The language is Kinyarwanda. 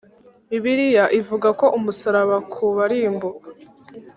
bibiliya ivuga ko umusaraba ku barimbuka